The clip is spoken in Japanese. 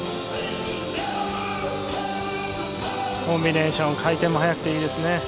コンビネーション、回転も速くていいですね。